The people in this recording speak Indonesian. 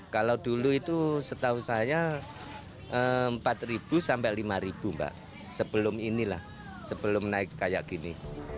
kalau dulu itu setahu saya rp empat rp lima sebelum ini sebelum naik seperti ini